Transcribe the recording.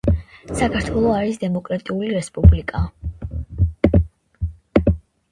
საქართველო არის დემოკრატიული რესპუბლიკა